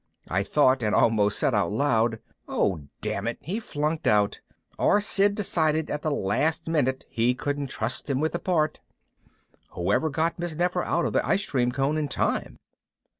I thought (and almost said out loud) _Oh, dammit, he funked out, or Sid decided at the last minute he couldn't trust him with the part. Whoever got Miss Nefer out of the ice cream cone in time?